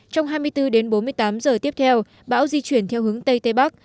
trong hai mươi bốn đến bốn mươi tám giờ tiếp theo bão di chuyển theo hướng tây tây bắc